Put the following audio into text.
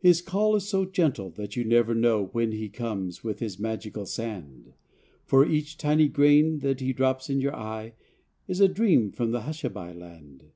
His call is so gentle That you never know when He comes with his magical sand; For each tiny grain That he drops in your eye Is a dream from the "hush a bye" land.